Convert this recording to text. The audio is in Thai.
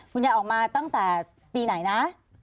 คุณยายออกมาตั้งแต่ปีไหนนะ